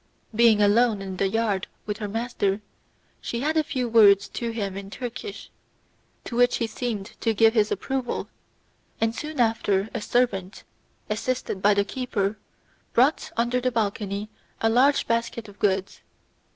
Being alone in the yard with her master, she said a few words to him in Turkish, to which he seemed to give his approval, and soon after a servant, assisted by the keeper, brought under the balcony a large basket of goods.